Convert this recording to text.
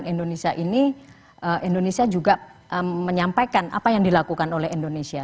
dan indonesia ini indonesia juga menyampaikan apa yang dilakukan oleh indonesia